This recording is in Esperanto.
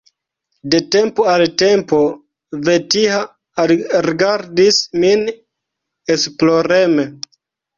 De tempo al tempo Vetiha alrigardis min esploreme.